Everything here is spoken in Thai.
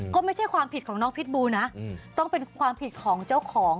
ก็ไม่ใช่ความผิดของน้องพิษบูนะต้องเป็นความผิดของเจ้าของ